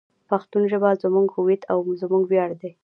پښتو ژبه زموږ هویت او زموږ ویاړ دی.